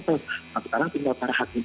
sekarang tinggal para hakim